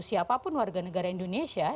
siapapun warga negara indonesia